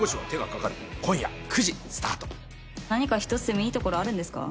何か１つでもいいところあるんですか？